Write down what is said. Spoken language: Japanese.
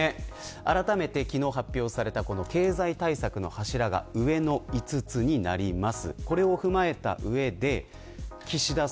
あらためて昨日発表された経済対策の柱が上の５つになります。